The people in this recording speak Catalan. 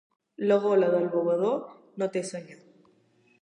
La gola del bevedor no té senyor.